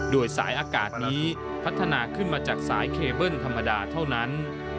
โดยสายอากาศนี้พัฒนาขึ้นมาจากสายเคเบิ้ลธรรมดาเท่านั้น